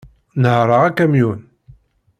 Nehhreɣ akamyun.